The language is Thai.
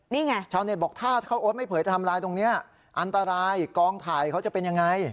นี่ไงชาวเน็ตบอกถ้าโอ๊ตไม่เผยทำลายตรงนี้อันตรายกองถ่ายเขาจะเป็นยังไง